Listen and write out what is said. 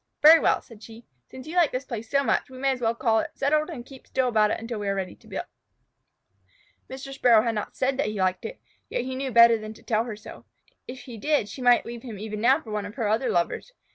"Very well," said she. "Since you like this place so much, we may as well call it settled and keep still about it until we are ready to build." Mr. Sparrow had not said that he liked it, yet he knew better than to tell her so. If he did, she might leave him even now for one of her other lovers.